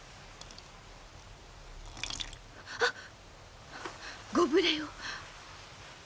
あっご無礼を。